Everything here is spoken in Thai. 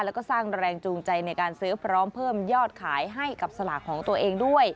แล้วก็สร้างแรงจูงใจในการซื้อพร้อมเพิ่มยอดขายให้กับสลากของตัวเองด้วย